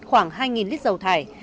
khoảng hai lò đốt dầu thải